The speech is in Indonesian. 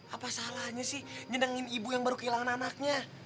apa salahnya sih nyendangin ibu yang baru kehilangan anaknya